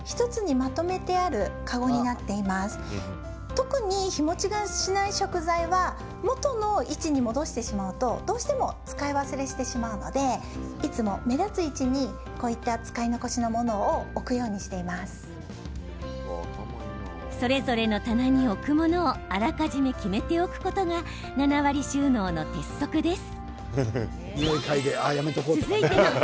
特に日もちがしない食材は元の位置に戻してしまうとどうしても使い忘れしてしまうのでそれぞれの棚に置くものをあらかじめ決めておくことが７割収納の鉄則です。